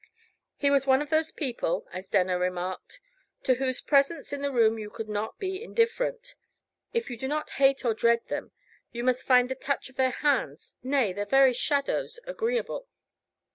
He was one of those people, as Denner remarked, to whose presence in the room you could not be indifferent; if you do not hate or dread them, you must find the touch of their hands, nay, their very shadows, agreeable.